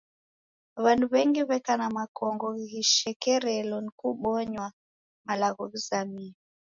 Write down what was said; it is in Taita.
W'andu w'engi w'eka na makongo ghishekerelo ni kubonywa malagho ghizamie.